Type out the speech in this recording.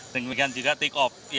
dan juga take off